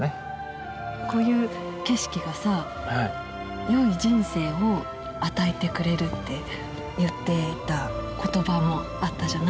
こういう景色がさよい人生を与えてくれるって言っていた言葉もあったじゃない？